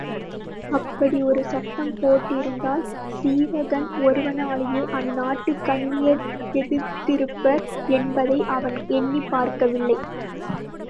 அப்படி ஒரு சட்டம் போட்டிருந்தால் சீவகன் ஒருவனாலேயே அந்நாட்டுக் கன்னியர் எதிர்த்திருப்பர் என்பதை அவன் எண்ணிப் பார்க்கவில்லை.